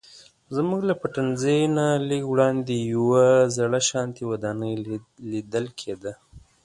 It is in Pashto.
زموږ له پټنځي نه لږ وړاندې یوه زړه شانتې ودانۍ لیدل کیده.